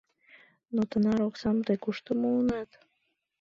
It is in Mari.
— Но тынар оксам тый кушто муынат?